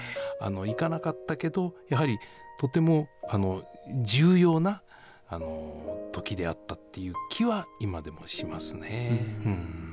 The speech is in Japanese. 行かなかったけど、やはり、とても重要なときであったっていう気は今でもしますね。